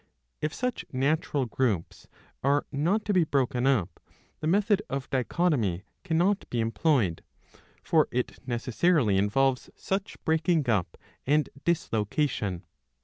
If such natural groups are not to be broken up, the method of Dichotomy cannot be employed, for it necessarily involves such breaking up and disloca tion.